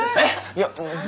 いや。